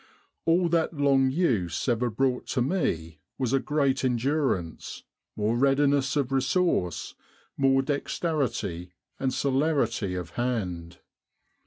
All that long use ever brought to me was a great endurance, more readiness of resource, more dexterity and celerity of hand.